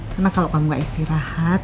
karena kalau kamu gak istirahat